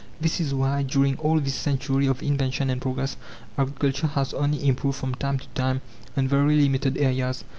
This is why, during all this century of invention and progress, agriculture has only improved from time to time on very limited areas.